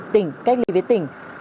tỉnh cách ly với tỉnh